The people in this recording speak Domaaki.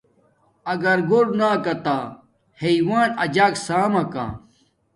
اگر گھور نا کاتہ حیوان اجاک سامکا